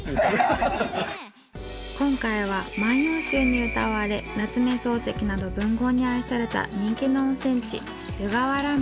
今回は「万葉集」にうたわれ夏目漱石など文豪に愛された人気の温泉地湯河原町。